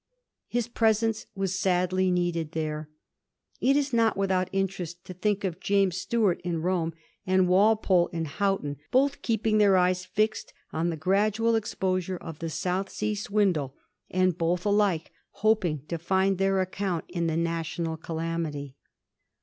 His presence was sadly needed there. It is not without iuterest to think of James Stuart in Rome, and Walpole in Houghton, both keeping their eyes fixed on the gradual exposure of the South Sea swindle, and both alike hoping to find their account in the national calamity.